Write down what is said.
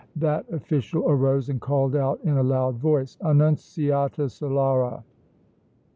That official arose and called out, in a loud voice: "Annunziata Solara!"